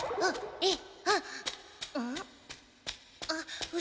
えっ？